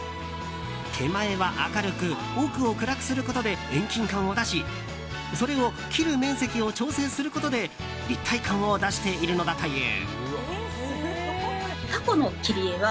手前は明るく奥を暗くすることで遠近感を出しそれを切る面積を調整することで立体感を出しているのだという。